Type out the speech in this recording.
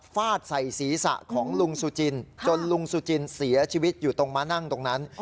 ฟาดใส่ศีรษะของลุงสุจินจนลุงสุจินเสียชีวิตอยู่ตรงมานั่งตรงนั้น